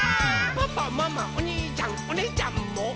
「パパママおにいちゃんおねぇちゃんも」